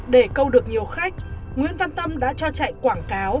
để câu được nhiều khách nguyễn văn tâm đã cho chạy quảng cáo